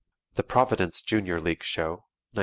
The Providence Junior League Show, 1925.